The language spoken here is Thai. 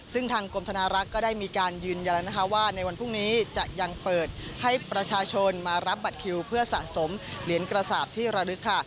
ซึ่งทางกรมธนารักษ์ก็ได้มีการยืนยันแล้วนะคะว่าในวันพรุ่งนี้จะยังเปิดให้ประชาชนมารับบัตรคิวเพื่อสะสมเหรียญกระสาปที่ระลึกค่ะ